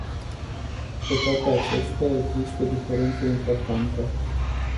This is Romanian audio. Cu toate acestea, există diferențe importante.